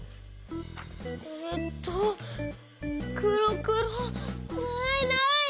えっとくろくろないない！